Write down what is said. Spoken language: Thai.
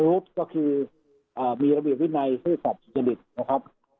อุ๊บก็คืออะมีระบิวินัยที่สัตว์สุจริตนะครับ